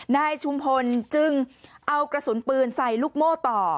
นายชุมพลจึงเอากระสุนปืนใส่ลูกโม่ต่อ